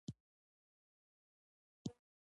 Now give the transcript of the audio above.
ژورې سرچینې د افغانستان د طبیعي زیرمو برخه ده.